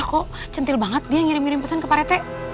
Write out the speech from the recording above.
kok centil banget dia ngirim ngirim pesan ke parete